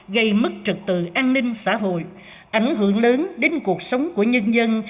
gây mất trực tự an ninh xã hội ảnh hưởng lớn đến cuộc sống của nhân dân